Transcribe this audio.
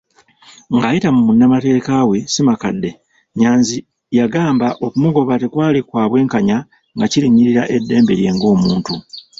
Ng'ayita mu munnamateeka we, Ssemakadde, Nnyanzi yagamba okumugoba tekwali kwabwenkanya nga kirinnyirira eddembe lye ng'omuntu.